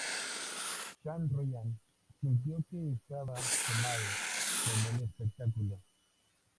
Shane Ryan sintió que estaba "quemado" con el espectáculo.